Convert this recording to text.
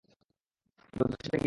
বন্ধুদের সাথে গিয়েছিলাম।